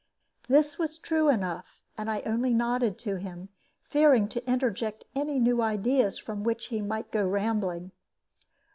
This was true enough; and I only nodded to him, fearing to interject any new ideas from which he might go rambling.